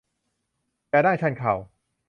อย่านั่งชันเข่า